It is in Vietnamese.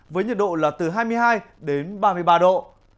với nhiệt độ là từ hai mươi hai đến ba mươi ba độ